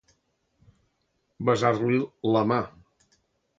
Besar-li la mà.